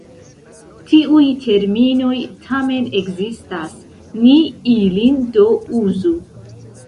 Tiuj terminoj tamen ekzistas, ni ilin do uzu.